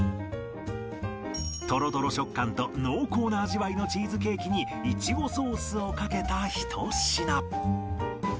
とろとろ食感と濃厚な味わいのチーズケーキにいちごソースをかけたひと品